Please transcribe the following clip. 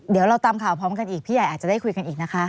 เดี๋ยวเราตามข่าวพร้อมกันอีกพี่ใหญ่อาจจะได้คุยกันอีกนะคะ